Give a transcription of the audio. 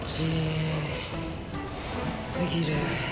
暑すぎる。